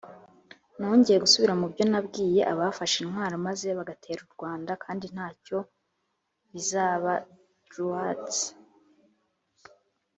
Nongeye gusubira mu byo nabwiye abafashe intwaro maze bagatera u Rwanda kandi nta cyo bizabaDroits